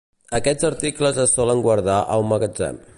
Aquests articles es solen guardar a un magatzem.